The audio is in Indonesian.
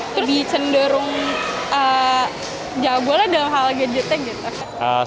lebih cenderung jago lah dalam hal gadgetnya gitu